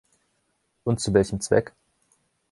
Und zu welchem Zweck?